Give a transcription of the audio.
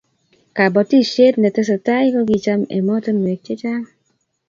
kabotishee netesetai kokicham emotinwek chechang